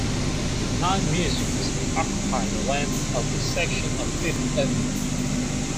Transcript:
Nine museums occupy the length of this section of Fifth Avenue.